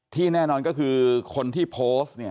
ที่แน่นอนก็คือคนที่โพสต์